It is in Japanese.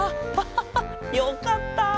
ハハハよかった！